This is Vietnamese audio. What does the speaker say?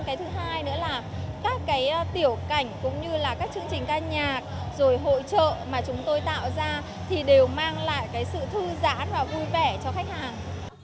cái thứ hai nữa là các cái tiểu cảnh cũng như là các chương trình ca nhạc rồi hội trợ mà chúng tôi tạo ra thì đều mang lại cái sự thư giãn và vui vẻ cho khách hàng